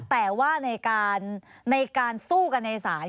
แต่ว่าในการสู้กันในศาล